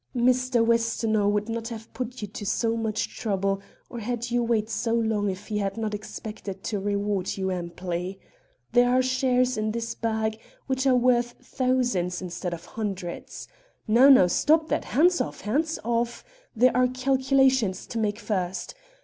"Mr. Westonhaugh would not have put you to so much trouble or had you wait so long if he had not expected to reward you amply. There are shares in this bag which are worth thousands instead of hundreds. Now, now! stop that! hands off! hands off! there are calculations to make first.